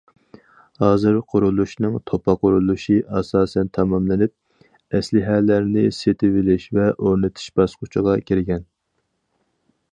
ھازىر قۇرۇلۇشنىڭ توپا قۇرۇلۇشى ئاساسەن تاماملىنىپ، ئەسلىھەلەرنى سېتىۋېلىش ۋە ئورنىتىش باسقۇچىغا كىرگەن.